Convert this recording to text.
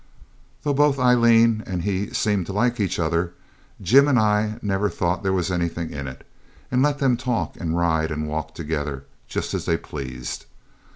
Though both Aileen and he seemed to like each other, Jim and I never thought there was anything in it, and let them talk and ride and walk together just as they pleased.